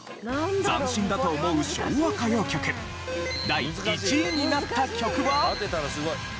斬新だと思う昭和歌謡曲第１位になった曲は。